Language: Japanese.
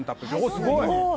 すごいね！